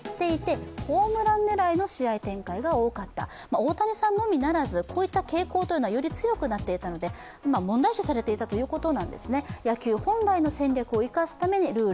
大谷さんのみならず、こういった傾向は強くなっていたので問題視されていたということなんですね。